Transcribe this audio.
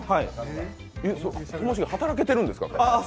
働けてるんですか？